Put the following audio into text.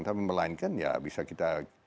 tapi melainkan bisa kita